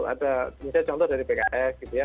misalnya contoh dari pkf gitu ya